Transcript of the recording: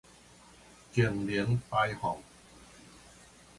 淨零排放